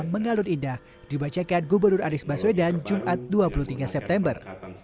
mengalun indah dibacakan gubernur anies baswedan jumat dua puluh tiga september